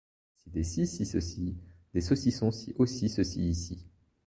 Si des scies scient ceci, des saucissons scient aussi ceci ici.